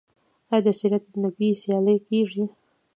آیا د سیرت النبی سیالۍ کیږي؟